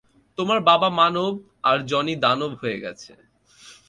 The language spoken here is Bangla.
তোমার বাবা মানব আর জনি দানব হয়ে গেছে।